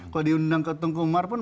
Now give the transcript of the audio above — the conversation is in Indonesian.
kalau diundang ke tungkumar pun